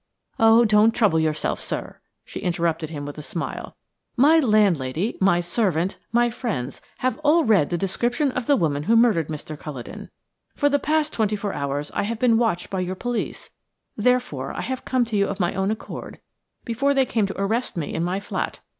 "Oh, don't trouble yourself, sir!" she interrupted him, with a smile. "My landlady, my servant, my friends have all read the description of the woman who murdered Mr. Culledon. For the past twenty four hours I have been watched by your police, therefore I have come to you of my own accord, before they came to arrest me in my flat.